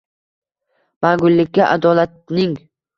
Mangulikka adolatning